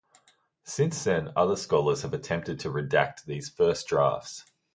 Since then, other scholars have attempted to redact these first drafts.